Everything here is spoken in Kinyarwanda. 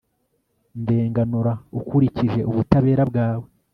ndenganura ukurikije ubutabera bwawe